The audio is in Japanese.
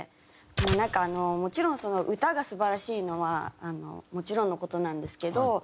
もうなんかもちろんその歌が素晴らしいのはもちろんの事なんですけど。